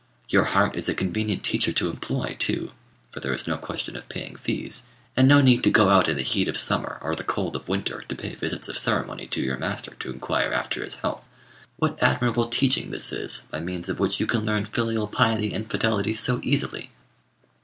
Your heart is a convenient teacher to employ too: for there is no question of paying fees; and no need to go out in the heat of summer, or the cold of winter, to pay visits of ceremony to your master to inquire after his health. What admirable teaching this is, by means of which you can learn filial piety and fidelity so easily!